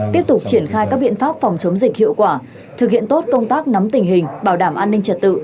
tiếp tục triển khai các biện pháp phòng chống dịch hiệu quả thực hiện tốt công tác nắm tình hình bảo đảm an ninh trật tự